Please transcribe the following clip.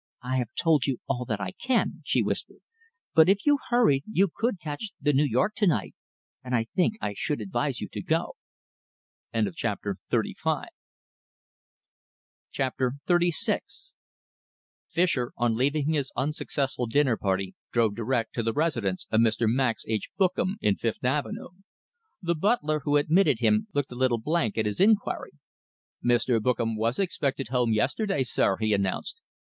"I have told you all that I can," she whispered, "but if you hurried, you could catch the New York to night and I think I should advise you to go." CHAPTER XXXVI Fischer, on leaving his unsuccessful dinner party, drove direct to the residence of Mr. Max H. Bookam, in Fifth Avenue. The butler who admitted him looked a little blank at his inquiry. "Mr. Bookam was expected home yesterday, sir," he announced.